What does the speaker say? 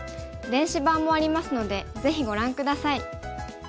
電子版もありますのでぜひご覧下さい。